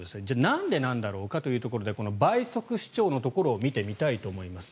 なんでなんだろうかというところで倍速視聴のところを見てみたいと思います。